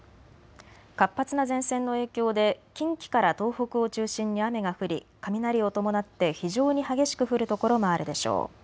活発な前線の影響で近畿から東北を中心に雨が降り雷を伴って非常に激しく降る所もあるでしょう。